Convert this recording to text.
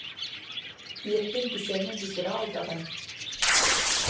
Ирһеҙ бисәне бисура алдаған.